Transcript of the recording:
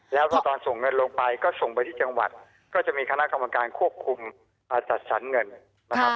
แล้วก็ตอนส่งเงินลงไปก็ส่งไปที่จังหวัดก็จะมีคณะกรรมการควบคุมจัดสรรเงินนะครับ